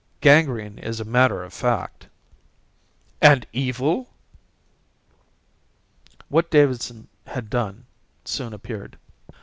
"Gangrene is a matter of fact." "And Evil?" What Davidson had done soon appeared.